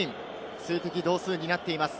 数的同数になっています。